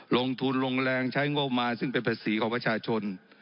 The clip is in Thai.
ลงทุนลงแรงใช้งบมาซึ่งเป็นภาษีของประชาชน